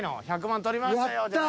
１００万獲りましたよじゃ。